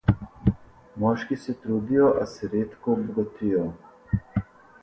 Moški se trudijo, a se redko obogatijo.